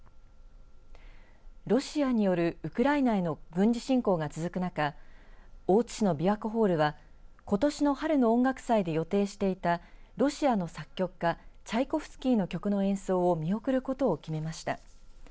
ロシアによるウクライナへの軍事侵攻が続く中大津市のびわ湖ホールはことしの春の音楽祭で予定していたロシアの作曲家チャイコフスキーの曲の演奏を見送ることを決めました。